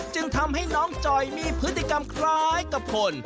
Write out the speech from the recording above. จึงทำให้น้องจอยมีพฤติกรรมคล้ายกับคน